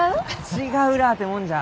違うらあてもんじゃ。